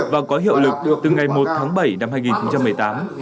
và có hiệu lực từ ngày một tháng bảy năm hai nghìn một mươi tám